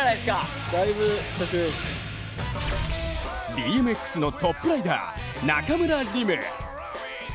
ＢＭＸのトップライダー中村輪夢。